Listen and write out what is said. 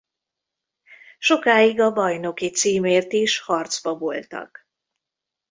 Sokáig a bajnoki címért is harcba voltak.